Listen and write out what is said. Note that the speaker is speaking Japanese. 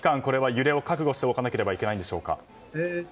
揺れを覚悟しておかなければいけないでしょうか。